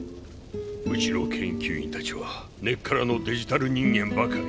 うちの研究員たちは根っからのデジタル人間ばかり。